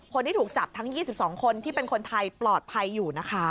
คนที่ถูกจับทั้ง๒๒คนที่เป็นคนไทยปลอดภัยอยู่นะคะ